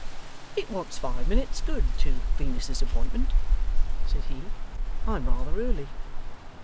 'It wants five minutes, good, to Venus's appointment,' said he. 'I'm rather early.